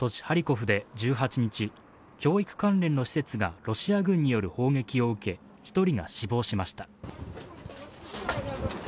ハリコフで１８日、教育関連の施設がロシア軍による砲撃を受け、１人が死亡しました。